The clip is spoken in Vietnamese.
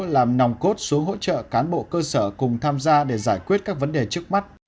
làm nòng cốt số hỗ trợ cán bộ cơ sở cùng tham gia để giải quyết các vấn đề trước mắt